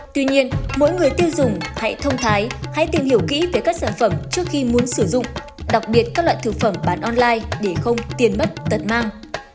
tuy nhiên mỗi người tiêu dùng hãy thông thái hãy tìm hiểu kỹ về các sản phẩm trước khi muốn sử dụng đặc biệt các loại thực phẩm bán online để không tiền mất tật mang